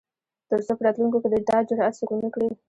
تر څو په راتلونکو کې دا جرات څوک ونه کړي.